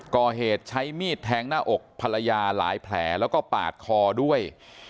ก่อเหตุใช้มีดแทงหน้าอกภรรยาหลายแผลแล้วก็ปาดคอด้วย